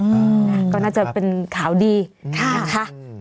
อืมนะครับก็น่าจะเป็นข่าวดีค่ะ